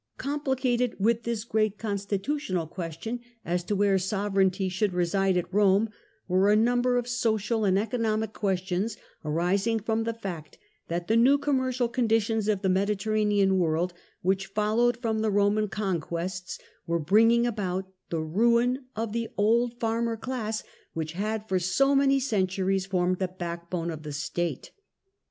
Complicated with this great constitutional question, as to where sovereignty should reside at Rome, were a number of social and economic questions, arising from the fact that the new commercial conditions of the Mediterranean world, which followed from the Roman conquests, were bringing about the ruin of the old farmer class which had for so many centuries formed the backbone q£ the state.